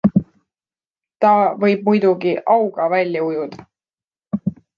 Ta võib muidugi auga välja ujuda.